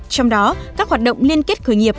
trong đó các hoạt động liên kết khởi nghiệp